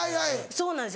そうなんですよ。